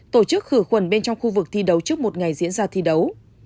tổ chức khử khuẩn bên trong khu vực thi đấu trước một ngày diễn ra thi đấu